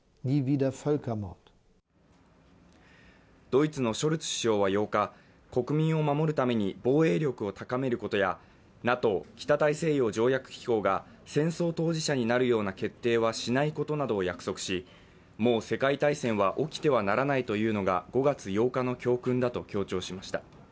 ドイツのショルツ首相は８日国民を守るために防衛力を高めることやＮＡＴＯ＝北大西洋条約機構が戦争当事者になるような決定はしないことなどを約束し、もう世界大戦は起きてはならないというのが５月８日の教訓だと強調しました。